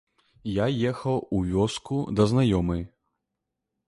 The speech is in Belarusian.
Я ехаў у вёску да знаёмай.